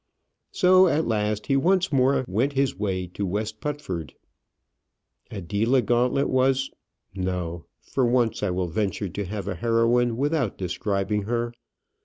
So at last he once more went his way to West Putford. Adela Gauntlet was No; for once I will venture to have a heroine without describing her.